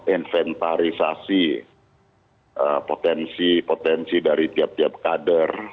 inventarisasi potensi potensi dari tiap tiap kader